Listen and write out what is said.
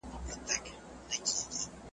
پاک خواړه ناروغۍ کموي.